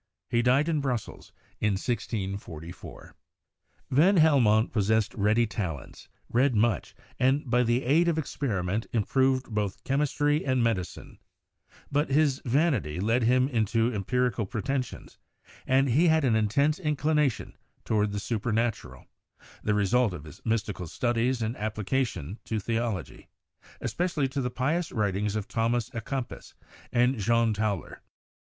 He died in Brussels in 1644. Van Helmont possessed ready talents, read much, and by the aid of experiment, improved both chemistry and medicine; but his vanity led him into empirical preten sions and he had an intense inclination toward the super natural — the result of his mystical studies and application to theology, especially to the pious writings of Thomas a Kempis and John Tauler.